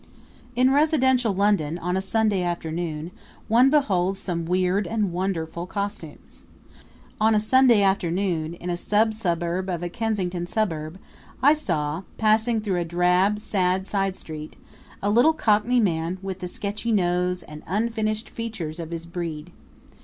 In residential London on a Sunday afternoon one beholds some weird and wonderful costumes. On a Sunday afternoon in a sub suburb of a Kensington suburb I saw, passing through a drab, sad side street, a little Cockney man with the sketchy nose and unfinished features of his breed.